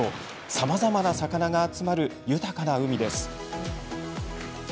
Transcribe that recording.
さまざまな魚が集まる豊かな海です。